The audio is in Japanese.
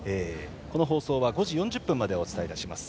この放送は５時４０分までお伝えいたします。